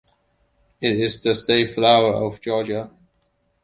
It is the state flower of Georgia.